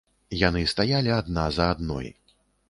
Яны стаялі адна за адной.